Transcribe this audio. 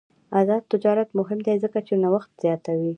آزاد تجارت مهم دی ځکه چې نوښت زیاتوي.